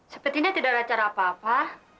sepertinya tidak ada cara apa apa